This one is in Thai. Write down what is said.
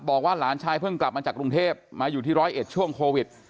บอกว่าหลานชายเพิ่งกลับมาจากกรุงเทพมาอยู่ที่ร้อยเอ็ดช่วงโควิด